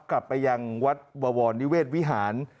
กลับไปยังวัดบวรนิเวศวิหาร